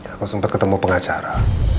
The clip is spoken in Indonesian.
aku sempet ketemu pengacara